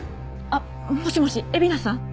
あっもしもし蝦名さん？